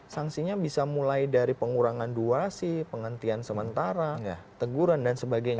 sanksinya bisa mulai dari pengurangan durasi penghentian sementara teguran dan sebagainya